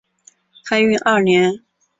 开运二年。